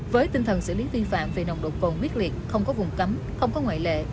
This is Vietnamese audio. với tinh thần xử lý vi phạm về nồng độ cồn quyết liệt không có vùng cấm không có ngoại lệ